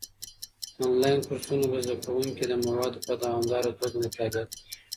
انلاين کورسونه به زده کوونکي د موادو په دوامداره توګه مطالعه کړي.